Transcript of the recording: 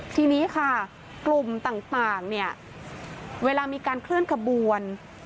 ทีนี้ค่ะกลุ่มต่างเนี่ยเวลามีการเคลื่อนขบวน